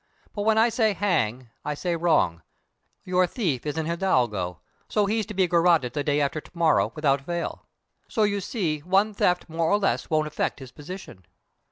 But when I say hang, I say wrong. Your thief is an Hidalgo. So he's to be garrotted the day after to morrow, without fail.* So you see one theft more or less won't affect his position.